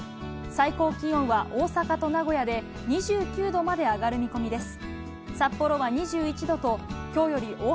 最高気温は大阪と名古屋で２９度まで上がる見込みです。